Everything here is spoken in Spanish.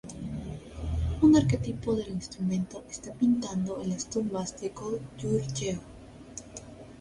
Un arquetipo del instrumento está pintando en las tumbas de Goguryeo.